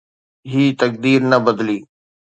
هي تقدير نه بدلي